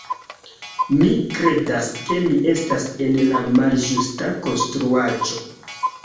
Mi kredas ke mi estas en la malĝusta konstruaĵo.